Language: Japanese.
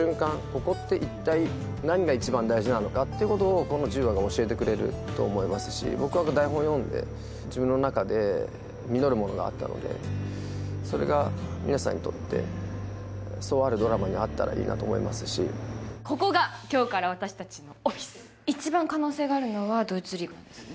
ここって一体何が一番大事なのかっていうことをこの１０話が教えてくれると思いますし僕は台本読んで自分の中で実るものがあったのでそれが皆さんにとってそうあるドラマであったらいいなと思いますしここが今日から私達のオフィス一番可能性があるのはドイツリーグなんですね